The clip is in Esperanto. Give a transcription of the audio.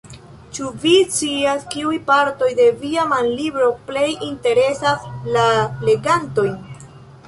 Ĉu vi scias, kiuj partoj de via manlibro plej interesas la legantojn?